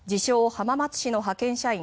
浜松市の派遣社員